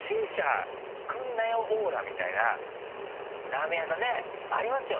みたいなラーメン屋さんねありますよね。